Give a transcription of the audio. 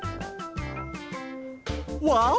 ワオ！